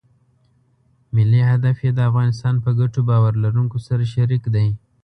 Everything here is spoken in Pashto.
ملي هدف یې د افغانستان په ګټو باور لرونکو سره شریک دی.